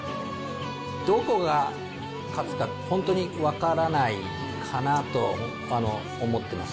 どこが勝つか、本当に分からないかなと思ってます。